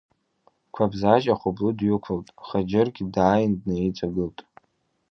Қәабзач ахәыблы дҩықәылт, Хачыргьы дааин днаиҵагылт.